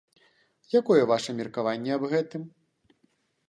Якое ваша меркаванне аб гэтым?